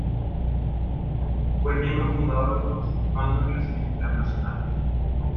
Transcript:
Fue miembro fundador del Consejo Hispano de Relaciones Internacionales.